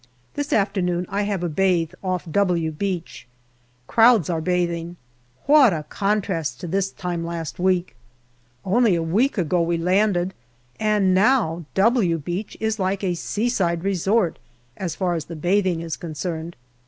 This afternoon I have a bathe off " W " Beach. Crowds are bathing. What a contrast to this time last week ! Only a week ago we landed, and now " W" Beach is like a sea side resort as far as the bathing is concerned.